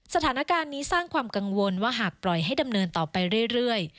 สถานการณ์นี้สร้างความกังวลว่าหากปล่อยให้ดำเนินต่อไปเรื่อย